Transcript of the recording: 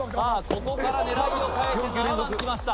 ここから狙いを変えて７番きました